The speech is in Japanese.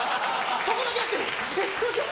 そこだけ合ってる。